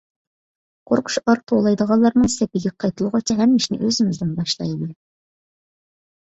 قۇرۇق شوئار توۋلايدىغانلارنىڭ سېپىگە قېتىلغۇچە ھەممە ئىشنى ئۆزىمىزدىن باشلايلى.